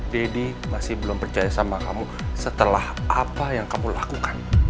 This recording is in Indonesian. deddy masih belum percaya sama kamu setelah apa yang kamu lakukan